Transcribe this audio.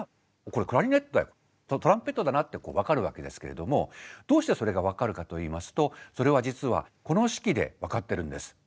これはトランペットだなって分かるわけですけれどもどうしてそれが分かるかといいますとそれは実はこの式で分かってるんです。